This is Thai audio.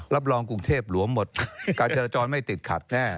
รับรองกรุงเทพหลวมหมดการจราจรไม่ติดขัดแน่